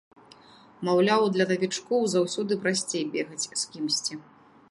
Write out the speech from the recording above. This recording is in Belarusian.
Маўляў, для навічкоў заўсёды прасцей бегаць з кімсьці.